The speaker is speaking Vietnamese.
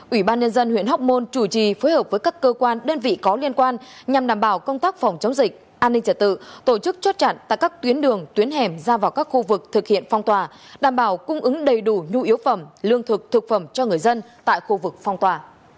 ủy ban nhân dân huyện hóc môn chủ trì phối hợp với các cơ quan đơn vị có liên quan nhằm đảm bảo công tác phòng chống dịch an ninh trật tự tổ chức chốt chặn tại các tuyến đường tuyến hẻm ra vào các khu vực thực hiện phong tỏa đảm bảo cung ứng đầy đủ nhu yếu phẩm lương thực thực phẩm cho người dân tại khu vực phong tỏa